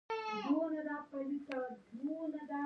انجوګانې له مالي پلوه په نورو پورې تړلي دي.